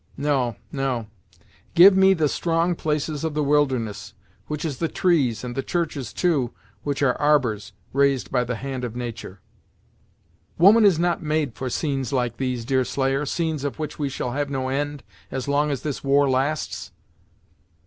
No, no give me the strong places of the wilderness, which is the trees, and the churches, too, which are arbors raised by the hand of natur'." "Woman is not made for scenes like these, Deerslayer, scenes of which we shall have no end, as long as this war lasts."